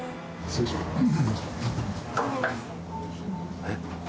えっ？